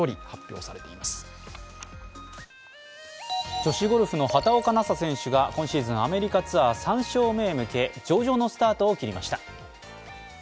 女子ゴルフの畑岡奈紗選手が今シーズン、アメリカツアー３勝目へ向け上々のスタートを切りました。